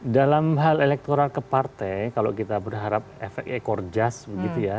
dalam hal elektoral ke partai kalau kita berharap efek ekor jas begitu ya